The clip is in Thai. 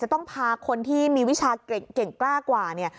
ต้องพาคนที่มีวิชาเก่งกล้ากว่าเนี่ย